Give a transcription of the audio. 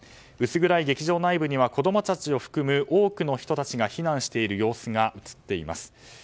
薄暗い劇場内部には子供たちを含む多くの人たちが避難している様子が映っています。